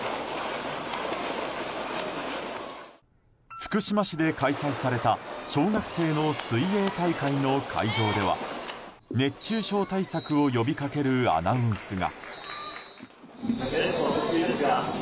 福島市で開催された小学生の水泳大会の会場では熱中症対策を呼び掛けるアナウンスが。